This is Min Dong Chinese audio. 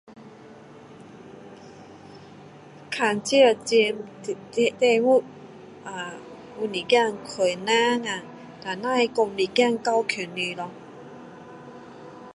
看这钱题题目啊有一点困难啊然后只是说一点交给你咯